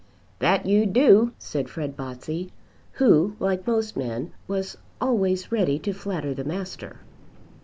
"That you do," said Fred Botsey, who, like most men, was always ready to flatter the Master.